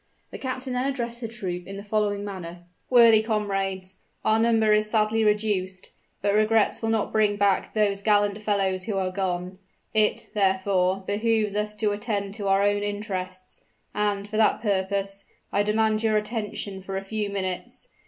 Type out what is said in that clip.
The captain then addressed the troop in the following manner: "Worthy comrades, our number is sadly reduced; but regrets will not bring back those gallant fellows who are gone. It, therefore, behooves us to attend to our own interests; and, for that purpose, I demand your attention for a few minutes.